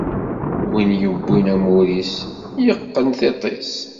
Win yewwin amur-is, iqqen tiṭ-is.